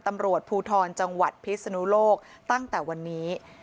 ตำรวจภูทรจังหวัดพิศนุโลกตั้งแต่วันนี้